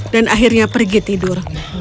dan akhirnya pergi tidur